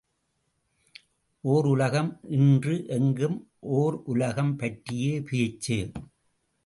ஒர் உலகம் இன்று எங்கும் ஓர் உலகம் பற்றியே பேச்சு.